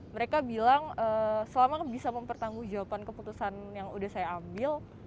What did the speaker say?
mereka bilang selama bisa mempertanggung jawaban keputusan yang sudah saya ambil